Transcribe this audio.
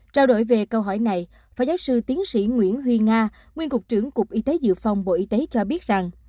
trao đổi về câu hỏi này phó giáo sư tiến sĩ nguyễn huy nga nguyên cục trưởng cục y tế dự phòng bộ y tế cho biết rằng